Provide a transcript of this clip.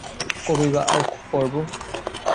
কবেই বা আর পরব।